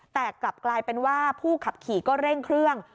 แต่กลับกลายเป็นว่าผู้ขับขี่ก็เร่งเครื่อง